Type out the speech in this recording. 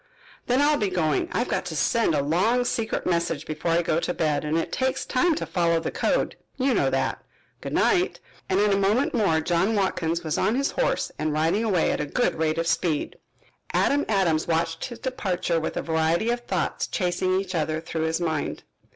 "Then I'll be going. I've got to send a long secret message before I go to bed and it takes time to follow the code, you know that. Good night," and in a moment more John Watkins was on his horse and riding away at a good rate of speed. Adam Adams watched his departure with a variety of thoughts chasing each other through his mind.